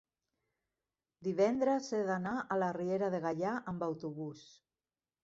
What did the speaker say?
divendres he d'anar a la Riera de Gaià amb autobús.